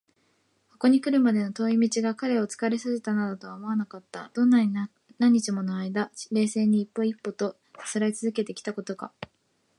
ここにくるまでの遠い道が彼を疲れさせたなどとは思われなかった。どんなに何日ものあいだ、冷静に一歩一歩とさすらいつづけてきたことか！